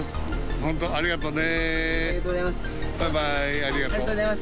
本当、ありがとうございます。